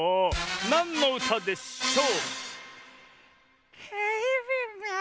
なんのうたでしょう？